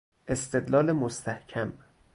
استدلال مستحکم